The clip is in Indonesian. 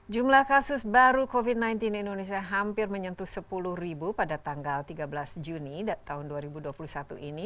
jumlah kasus baru covid sembilan belas di indonesia hampir menyentuh sepuluh ribu pada tanggal tiga belas juni tahun dua ribu dua puluh satu ini